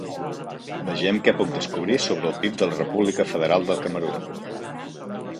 Vegem què puc descobrir sobre el PIB de la República Federal de Camerun.